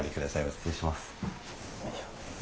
失礼します。